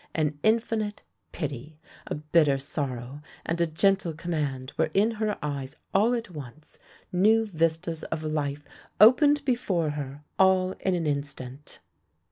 An infinite pity, a bitter sorrow, and a gentle command were in her eyes all at once — new vistas of life opened before her, all in an instant.